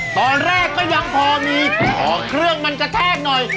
ตอนแรกก็ยังพอมีออกเครื่องมันกระแทกหน่อย